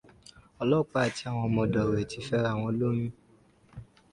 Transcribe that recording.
Ọlọ́pàá àti ọmọ ọ̀dọ̀ rẹ̀ ti fẹ́ra wọn lóyún.